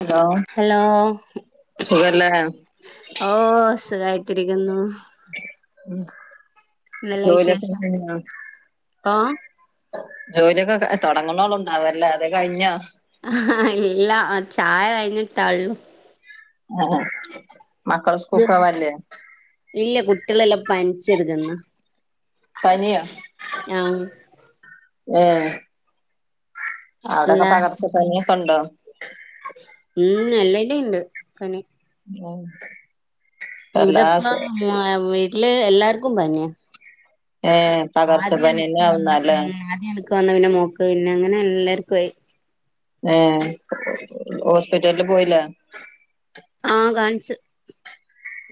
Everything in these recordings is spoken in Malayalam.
Hello hello. സുഖല്ലേ? ഓഹ് സുഖായിട്ടിരിക്കുന്നു. ഉം. നല്ല വിശേഷം. [unintelligible] ജോലിയൊക്കെ തുടങ്ങണോളു ഉണ്ടാവല്ലെ അതൊ കഴിഞ്ഞ? ആഹ് ഇല്ലാ ചായ കഴിഞ്ഞിട്ടാള്ള്. [unintelligible] മക്കൾ സുഖവാല്ലേ? ഇല്ല കുട്ടികളെല്ലാം പനിച്ചിടക്ക്ന്ന്. പനിയോ? ഞാഹ്. ഏഹ് ആടൊക്കെ പകർച്ച എല്ലാർക്കും പനി പനിയൊക്കെ ഉണ്ടോ? ഉം എല്ലാടെ ഇണ്ട് പനി ഒഹ്. ഇവിടെപ്പം വീട്ടില് എല്ലാർക്കും പനിയ. ഏഹ് പകർച്ച പനിയല്ലേ ആവുന്നല്ലേ? ൻക് വന്ന് പിന്നെ മോക്ക് പിന്നെ അങ്ങനെ എല്ലാർക്കു ആയി. ഏഹ് ഹോസ്പിറ്റലില് പോയില്ലെ? ആഹ് കാണിച്ച്.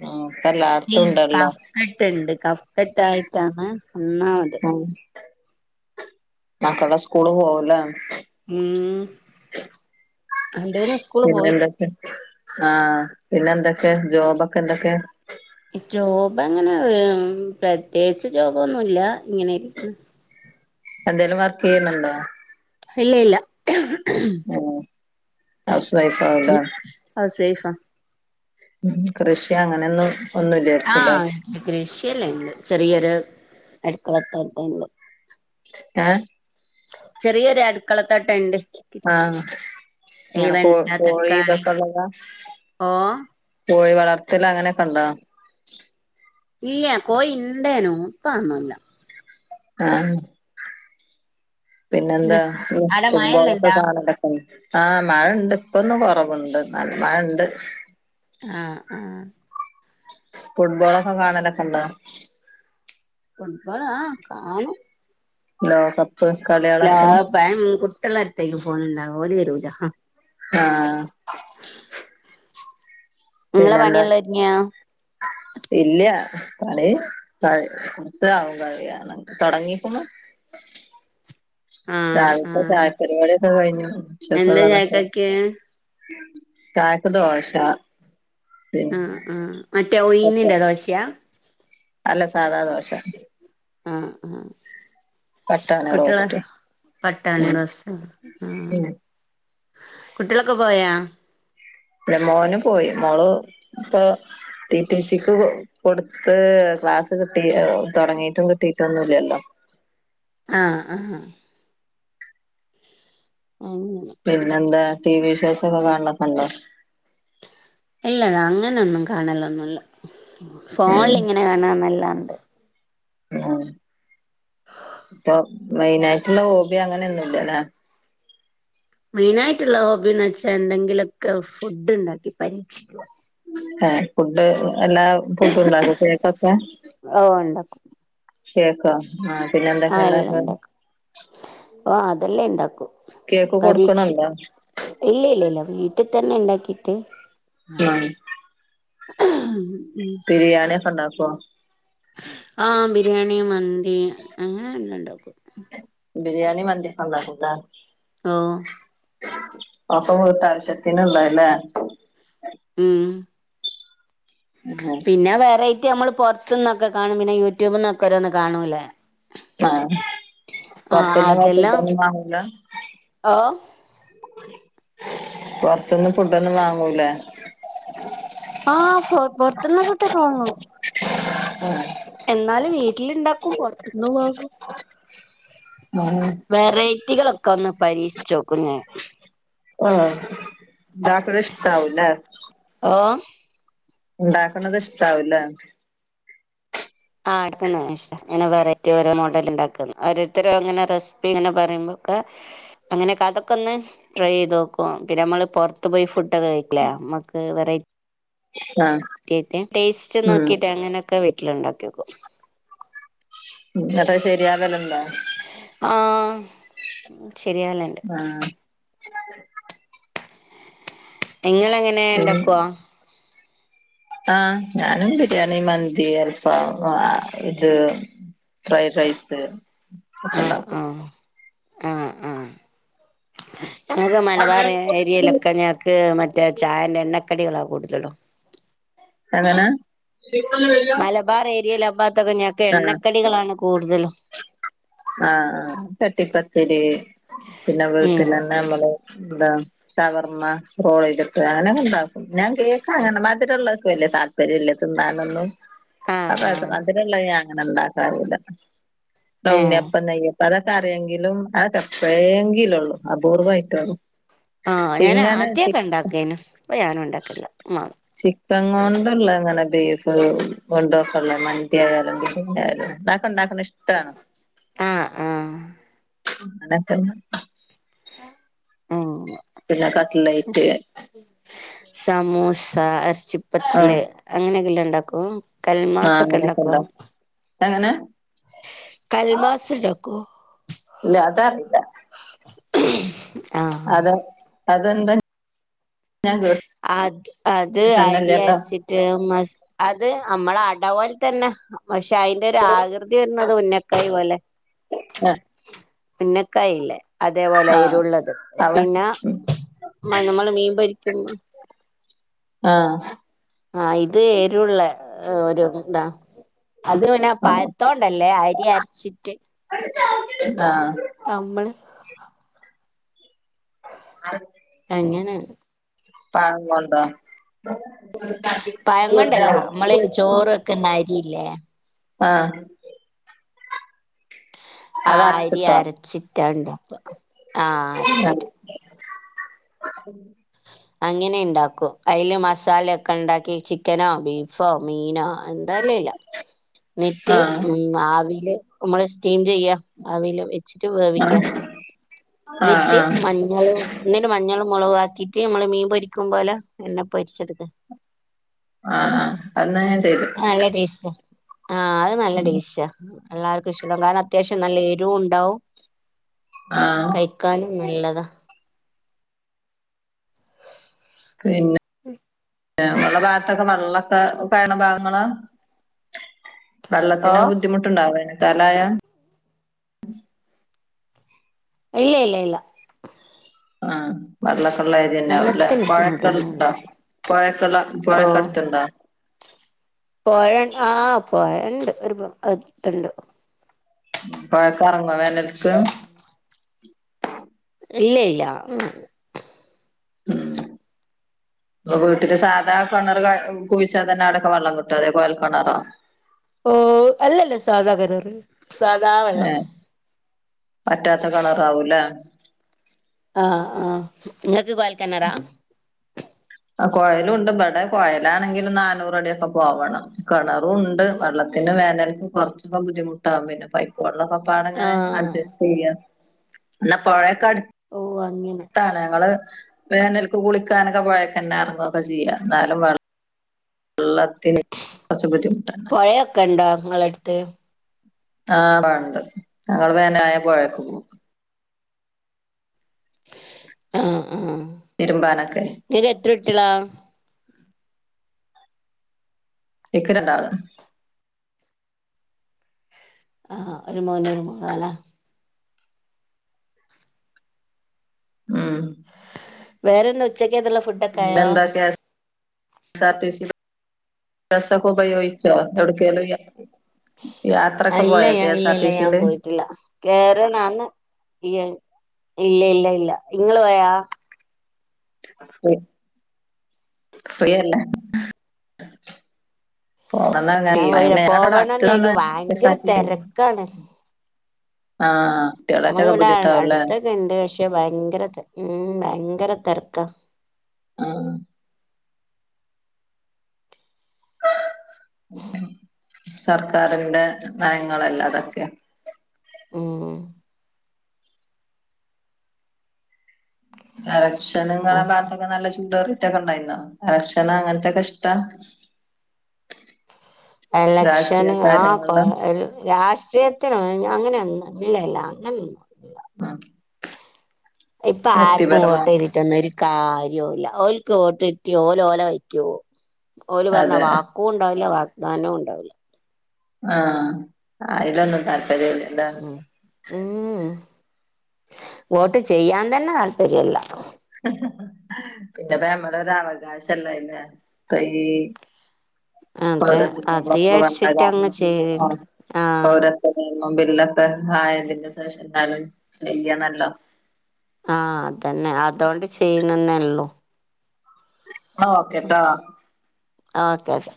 ഉം ഇപ്പെല്ലാ ൽ കഫ്കട്ട്ണ്ട് കഫ്ക്കട്ടായിട്ടാന്ന് ഒന്നാമത്. ഉം മക്കള് സ്കൂൾ പോവുല്ല. മ്. പോയി പിന്നെന്തൊക്കെ? ആഹ്, പിന്നെന്തൊക്കെ ജോബൊക്കെ എന്തൊക്കെ? ജോബങ്ങനെ [unintelligible] പ്രത്യേച്ച് ജോബൊന്നുല്ല. ഇങ്ങനെയിരിക്ക്ന്ന്. എന്തേലും വർക്ക് ചെയ്യുന്നുണ്ടോ? ഹില്ല ഇല്ല. ഏ ഹൗസ് വൈഫേ ഉം ആ സൈഫ. ഉം, കൃഷി അങ്ങനെയൊന്നും ഒന്നുല്ലെക്കുല്ലെ? കൃഷിയല്ലേ, ണ്ട്. ചെറിയരു അട്ക്കളത്തോട്ടണ്ട്. [unintelligible] ചെറിയരു അടു ആഹ് ഈ ങ്ങനെ കോ വെണ്ട കോഴി തക്കാളി ദക്കള് ള്ള ഓ കോഴി വളർത്തല് അങ്ങനെക്കെ ണ്ടോ ഇല്ല കോഴിണ്ടേനു ഇപ്പ അ ഒന്നൂല്ല ആഹ് പിന്നെ പിന്നെന്താ ഞ്ഞു ആടെ ഫുട്ബോളൊക്കെ മഴെല്ലണ്ടാ കാണണ്ടേ ആഹ് മഴണ്ട് ഇപ്പൊന്ന് കൊറവ്ണ്ട് ന്നാലും മഴ ണ്ട് ആഹ് ആ ഫുട്ബോളൊക്കെ കാണലൊക്കെ ണ്ടേ ഫുട്ബോള് ആ കാണും ലോ കപ്പ് കളിയൊളെക്കെ [unintelligible] യം കുട്ട്യോളെ ട്ത്തേക്ക് ഫോണ് ണ്ടാവ ഓല് രൂല്ലാ ആഹ് ഇങ്ങളെ പിന്നന്താ പണിയെല്ലാം ഒരുങ്ങിയാ ഇല്ല കളി പ കുറച്ച് ആവും കഴിയാന് തുടങ്ങിക്ക്ണു ആഹ് രാവിൽത്തെ ആഹ് ചായ പരിപാടിയൊക്കെ കഴിഞ്ഞേ എന്താ ച്ചക്ക്ള്ളതൊക്കെ ചായക്കക്ക് ചായക്ക് ദോശ ആ പിന്നെ ആ മറ്റേ ഒക്കെ ഉഴ്ന്നിന്റെ ദോശ്യ അല്ല സാധാ ദോശ ആഹ് ആഹ് പട്ടാണി കുട്ട്യോ ളെ റോസ്റ്റ് പട്ടാണി ഉം റസും ആഹ് ഉം കുട്ടിളൊക്കെ പോയാ ഇവടെ മോന് പോയി മോള് ഇപ്പം ടിടിസിക്ക് കൊട്ത്ത് ക്ലാസ് കിട്ടി തൊടങ്ങിട്ടും കിട്ടീട്ടും ഒന്നുല്ലല്ലോ ആ അഹാ അങ്ങനെ പിന്നെന്താ ടി വി ഷോസ് ഒക്കെ കാണലെക്കെണ്ടോ ഇല്ല ല്ല അങ്ങനെയൊന്നും കാണലൊന്നുല്ല ഉം ഫോൺല്ങ്ങനെ കാണന്നല്ലാണ്ട് ആ പ്പം മെയിനായിട്ട്ള്ള ഹോബി അങ്ങനെയൊന്നു ല്ലല്ലേ മെയിനിയിട്ട്ള്ള ഹോബിന്ന് വെച്ചാ എന്തെങ്കിലും ക്കെ ഫുഡ് ണ്ടാക്കി പരീക്ഷിക്കുക ഏ ഫുഡ് എല്ലാ ഫുഡും ണ്ടാകോ കേക്കൊക്കെ ഓ ഉണ്ടാക്കും കേക്കോ ആ പിന്നെ എല്ലാം എന്തക്കെണ്ടാക്കും ഉണ്ടാക്കും ആ അതെല്ലാം ഇണ്ടാക്കും കേക്ക് കൊടുക്കണണ്ടോ പരീക്ഷിക്കും ഇല്ല ല്ല ല്ല വീട്ട് തന്നെ ണ്ടാക്കിട്ട് അ ഉം ഉ ബിരിയാണി ഒക്കെ ണ്ടാകോ ആഹ് ബിരിയാണി മന്തി അങ്ങനെ എല്ലാംണ്ടാക്കും ബിരിയാണി മന്തി ക്കെ ണ്ടാക്കുലേ ആഹ് ഒ [unintelligible] ഇങ്ങൾക്ക് ആവശ്യത്തിന്ള്ളല്ലേ ഉം പിന്നെ വെറൈറ്റി അമ്മള് പൊറത്ത്ന്നൊക്കെ കാണും പിന്നെ യൂട്യൂബ്ന്നൊക്കെ ഓരോന്ന് കാണൂലേ ആഹ് ആഹ് പൊറത്ത്ന്ന അതെല്ലാം [unintelligible] വാങ്ങൂല്ല ഓഹ് പുറത്ത്ന്ന് ഫുഡൊന്നും വാങ്ങൂലേ ആ പൊറ്ത്ത്ന്ന് ഫുഡൊക്കെ വാങ്ങും ഉം എന്നാലും വീട്ടില് ഇണ്ടാക്കും പൊറ്ത്ത്ന്ന് വാങ്ങും [unintelligible] വെറൈറ്റികളൊക്കെ ഒന്ന് പരീക്ഷിച്ചോക്കും ഞാൻ ആഹ ഇണ്ടാക്ക്ണ ഇഷ്ടാവും ലേ ആ ഉണ്ടാക്കണത് ഇഷ്ടാവുംല്ലെ ആ എടുക്കുന്നതാണ് ഇഷ്ട ഇങ്ങനെ വെറൈറ്റി ഓരോ മോഡൽ ഉണ്ടാക്കുന്നു. ഓരോരുത്തരോ അങ്ങനെ റെസിപ്പി ഇങ്ങനെ പറയുമ്പോക്കെ അങ്ങനെയൊക്കെ അതൊക്കെ ഒന്ന് ട്രൈ ചെയ്ത് നോക്കും പിന്നെ നമ്മള് പുറത്ത് പോയി ഫു ണ്ട് കെ കഴിക്കുലെ മ്മക്ക് വെറൈ ആഹ് കേക്കെ ടെസ്റ്റ്‌ നോക്കീട്ട് അങ്ങനെ ഒക്കെ വീട്ടിലിണ്ടാക്കിനോ അത്ര ശരിയാതലന്താ ആഹ് ശരിയാലണ്ട് ആഹ് [unintelligible] നിങ്ങളെങ്ങനെ പിൻ ഇണ്ടാക്കുവ ആഹ് ഞാനും ബിരിയാണി മന്തി അൽഫാ ഇത് ഫ്രൈഡ് റൈസ്സ് ആഹ് ഇണ്ടാകും ആഹ് ആഹ് ആഹ് ഞങ്ങക്ക് മലബാർ ഇണ്ടാക്കും ഏരിയയിലൊക്കെ ഞ്ഞെ ക്ക് മറ്റേ ചായേൻ്റെ എണ്ണക്കടികളാ കൂടുതലും അങ്ങനെ [unintelligible] ബാർ ഏരിയയിലാമ്പാതൊക്കെ ഞ്ഞങ്ങക്ക് ആഹ് എണ്ണക്കടികളാണ് കൂടുതലും ആഹ് ആ കട്ടിപ്പത്തിരി പിന്നെ ഉം വീട്ടലെന്നെ മ്മള് എന്താ ചവർമ റോളെജ് ഒക്കേ അങ്ങനോക്കെ ഉണ്ടാ ഞാൻ കേക്ക് അങ്ങനെ മധുരള്ളോകില്ലേ വലിയ താല്പര്യമില്ല തിന്നാനൊന്നും ആഹ് [unintelligible] ആഹ് മധുരോള്ളെ ഞാൻ അങ്ങനെ ഉണ്ടാക്കാറില്ല ഏഹ് ഉണ്ണിയപ്പം നെയ്യപ്പം അതൊക്കെ അറിയെങ്കിലും അതൊക്കെ എപ്പെഴെങ്കിലൊള്ളൂ അപൂർവമായിട്ടള്ളൂ ആഹ ഞാൻ ആദ്യക്കെ ഉണ്ടാക്കേനു ഇപ്പൊ ഞാനും ഉണ്ടാക്കില്ല മാങ്ങും ഇപ്പ കൊണ്ടുള്ള അങ്ങനെ ബീഫ് കൊണ്ടും ഒക്കെള്ള മന്തി ആയാലും ബിരിണി ആയാലും ഇണ്ടാകും ഉണ്ടാക്കുന്ന ഇഷ്ടം ട്ടാ അ അ അങ്ങതെന്നെ അങ്ങനെ പിന്നെ കട്ട്ലൈറ്റ് സമൂസ ഏറച്ചി പതല് ആഹ് അങ്ങനെയൊക്കെല്ല ഉണ്ടാക്കും ആഹ് കൽമാസൊക്കെ അങ്ങനെയൊക്കെ ഇണ്ടാക്കോ ഉണ്ടാവും എങ്ങനെ കൽമാസ് ഇണ്ടാക്കോ ഇല്ല അതറീല്ല ആഹ് അത അതെന്ത് അത് അത് കേട്ടിട്ടന്നല്ലല്ലോ അരിഅരിച്ചി റ്റെ മഷ് അത് നമ്മള അട പോലെ തന്നെ പഷേ ഒരു ആകൃതി വരുന്നത് ഉുന്നക്കായ പോലെ ആഹ് ഉന്നക്കായില്ലേ അതേപോലെ ആഹ് എരുള്ളത് അവൻ പിന്നെ മ്മ നമ്മള് മീൻ പൊരിക്കുംബ ആഹ് ആഹ് ഇത് ഏരുള്ള ഒരു ഇതാ അത് പിന്നെ പയത്തോണ്ടല്ലേ അരി അര്ച്ചിട്ട് ആഹ് അമ്മള് ആ അങ്ങനെ പഴം കൊണ്ടോ പയംണ്ടല്ല നമ്മള് ചോറൊക്കെന്ന അരിയില്ലേ ആഹ് ആ അത് അരി അരച്ചിട്ടോ അരച്ചിറ്റ ഇണ്ടാക ആഹ ആഹ് അരച്ചിറ്റ് [inaudible] അങ്ങനെ ഇണ്ടാക്കും അയില് മസാലൊക്കെ ഉണ്ടാക്കി ചിക്കനോ ബീഫോ മീനോ എന്തലുല്ല [unintelligible] നിട്ട് ആഹ് മ്മ് ആവില് മ്മള് സ്റ്റീം ചെയ്യാ ആവില് വെച്ചിട്ട് ആഹ് വേവിക്കാ ആഹ് നിട്ട് മഞ് വള്ളം ന്നേലുമഞ്ഞള് മൊളകുആക്കീട്ട് മ്മള് മീൻ പൊരിക്കുമ്പോലെ എണ്ണ പൊരിച്ചട്ക്ക ആഹ് ആഹ് അത് ന്നാ ഞാചെയ്തു നല്ല ടേസ്റ്റാ ആ അഅ് നല്ല ടേശ്ശാ എല്ലാർക്ക്ഇഷ്ടകാര അത്യാശ്യം നല്ല എരുവുണ്ടാവും ആഹ് ക്കാൽലു നല്ലതാ പിന്നെ ങ്ങളെ ഭാത്തൊക്കെ വള്ളൊക്കെ താന ഭാഗങ്ങളാ ഓ പള്ളത്തിന് ബുദ്ധിമുട്ട്ണ്ടോ വേനൽ കാലായാ എല്ലേ ല്ലേ ല്ല ആഹ് വെള്ളക്കള്ള ഏരിയന്നവുല്ലേ വെള്ളത്തിന് ബുദ്ധിമുട്ടൊന്നുല്ല പൊഴക്കണ്ടോ പോഴക്കള്ള പൊഴക്കട്ത്ത്ണ്ടോ പോയൺ ആ പൊയണ്ട് ഒര് [unintelligible] ട്ത്ത്ണ്ട് പോഴേക്ക് അറങ്ങോ വേനൽക്ക് ഇല്ലേ ല്ല മ് ഉം വീട്ടില് സാധാകണറ് ക കുഴിച്ചാതന്നെ അവ്ടെക്കെ വള്ളം ക്‌ട്ടോ അതേ കോയൽ കെണറോ ഓ അല്ലല്ല സാധാ ഗെണറ് സാധാ വെള്ളം വറ്റാത്ത കളറാവൂലേ ആഹ് ആഹ് ഇങ്ങക്ക് കോയൽ കെണറാ ആ കോഴലുണ്ട് ബടെ കോഴലാണെങ്കിലും നാനൂറടിയൊക്കെ പോവണം കണറുണ്ട് വെള്ളത്തി പിന്നെ വേനൽക്ക് കുറച്ചൊക്ക ബുദ്ധിമുട്ടാകും പിന്നെ പൈ പൊള്ളക്കെപ്പാടങ്ങനെ ആഹ് അട്ജെസ്റ് ചെയ്യ ന്നാ പുഴയൊക്കെ അ ഒ അങ്ങെനെ ആഹ് ഞങ്ങള് വേനൽക്ക് കുളിക്കാനെക്കെ പോഴേകന്നെ അർങ്ങൊക്കെ ചിയ്യാന്നാലും വള്ള ള്ളത്തിന് കൊർച്ച് ബുന്തി പോഴൊക്കെണ്ടോ ഇങ്ങളെട്ത്ത് ആഹ് ബടണ്ട് ഞങ്ങള് വേനലായ പൊഴേക്കോകും ആഹ് ആഹ് തിരുമ്പാനൊക്കെ ങക് എത്രട്ട്യളാ ഇക്ക് രണ്ടാള് ആഹ് ഒര്മോന് ഒര്മോളാലെ ഉം വേറെന്താ ഉച്ചക്കെക്കെള്ള ഫുഡ്ഡക്കായോ സാർ ടിസ്റ്റ്ൽ ഡ്രസ്സൊക്കെപയോഗിച്ചോ യെവ്ട് ക്കേലും യാ യാത്രക്ക ഇല്ല പോയോ ഞാൻ ഇല്ല ഇല്ല ഞാൻ കെസാർട്ടിസില് പോയിട്ടില്ല കേറണാന്ന് യേൻ ഇല്ലേ ല്ലേ ല്ല ഇങ്ങള് പോയാ [unintelligible] പോയല്ലേ [unintelligible] ഞാൻ പോയില്ല പോവണംന്ന് വിചാരിക്കും ഭയങ്കര തെരക്കാണ് ആഹ് കുട്യേളേറ്റക്കെ ബുദ്ധിമുട്ടാവുലേ ക്കണ്ട് ക്ഷെ ഭയങ്കര തരക്കാ ഉ ഭയങ്കര തരാക്ക ആഹ് സർക്കാരിന്റെ നയങ്ങളല്ല അതൊക്കെ ഉം എലക്ഷനും ഇങ്ങളെ അതെ ഭാത്തൊക്കെ നല്ല ചൂടാറ് റ്റൊക്കെ ഇണ്ടായിന്നോ എലക്ഷനും അങ്ങൻതൊക്കെ ഇഷ്ട്ടാ എലക്ഷന് ആ കൊ എൽ രാഷ്ട്രീയ തിന് അങ്ങനെയൊന്ന് ഇല്ലല്ല അങ്ങനെന്ന് ആ ഇപ്പൊ ആർക് വ്യക്തിപരമായി വോട്ട്യ്തിട്ടൊന്നും ഒര് കാര്യൊല്ലാ ഓല്ക്ക് വോട്ട് ഇട്ടി ഓല് ഓലെ വയക്പോവും. ഓല് പറഞ്ഞ അതെ വാക്കൂണ്ടാവില്ല വാഗ്ദാനോം ഇണ്ടാവൂലാ ആഹ് അയ്ലൊന്നും താല്പര്യല്ല്യാലേ മ്ഹ് വോട്ട് ചെയ്യാൻ തെന്നെ താല്പര്യല്ല. പിന്നെപ്പൊ ഞമ്മളെരുഅവകാശല്ലേ ലെ ഇപ്പയ് അതെ അത് വിചാരിച്ചിട്ട് അങ്ങ് ചെയ്യ [inaudible] ആ പൗരത്വ നിയമം ബില്ലൊക്കെ ആയതിന് സേഷം എന്താലും ചെയ്യണല്ലോ? ആഹ് അതെന്നെ അതോണ്ട് ചെയ്യ്ണെ ന്നേള്ളൂ. ന്ന ഓക്കെട്ടോ. ആ ഓക്കേക്കെ.